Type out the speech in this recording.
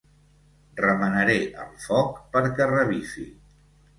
Remenaré el foc perquè revifi.